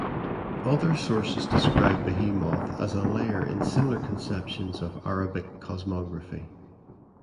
Other sources describe Behemoth as a layer in similar conceptions of Arabic cosmography.